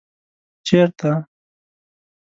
ـ چېرته ؟